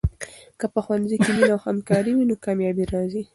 که په ښوونځي کې مینه او همکاري وي، نو کامیابي راځي.